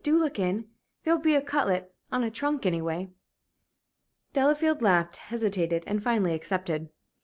Do look in. There'll be a cutlet on a trunk anyway." Delafield laughed, hesitated, and finally accepted.